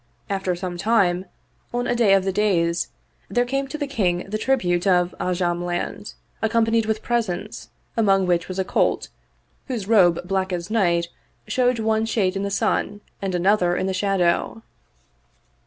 After some time, on a day of the days, there came to the King the tribute of 'A jam land accompanied with presents, among which was a colt whose robe black as night showed one shade in the sun and another in the shadow.